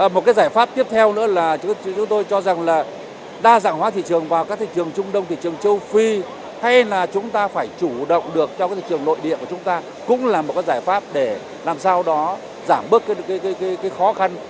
một cái giải pháp tiếp theo nữa là chúng tôi cho rằng là đa dạng hóa thị trường vào các thị trường trung đông thị trường châu phi hay là chúng ta phải chủ động được cho thị trường nội địa của chúng ta cũng là một cái giải pháp để làm sao đó giảm bớt cái khó khăn